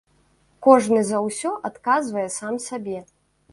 Кожны за ўсё адказвае сам сабе.